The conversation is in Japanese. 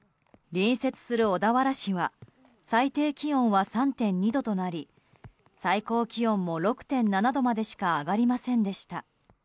隣接する小田原市は最低気温は３．２度となり最高気温も６．７度までしか上がりませんでした。